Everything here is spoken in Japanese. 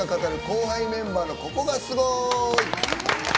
後輩メンバーのココがすごい！」。